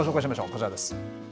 こちらです。